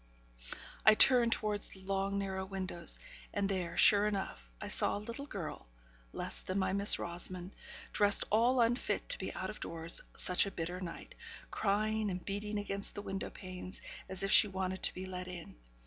I turned towards the long narrow windows, and there, sure enough, I saw a little girl, less than my Miss Rosamond dressed all unfit to be out of doors such a bitter night crying, and beating against the window panes, as if she wanted to be let in.